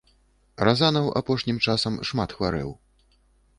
Разанаў апошнім часам шмат хварэў.